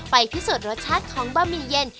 พิสูจน์รสชาติของบะหมี่เย็น